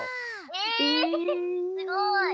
えすごい。